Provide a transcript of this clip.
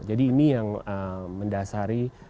jadi ini yang mendasari